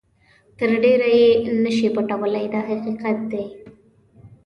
تر ډېره یې نه شئ پټولای دا حقیقت دی.